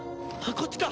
こっちか？